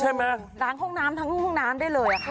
ล้างห้องน้ำทั้งห้องน้ำได้เลยค่ะ